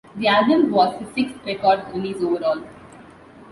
The album was his sixth record release overall.